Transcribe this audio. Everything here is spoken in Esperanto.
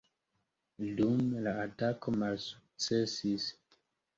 Dume, la atako malsukcesis.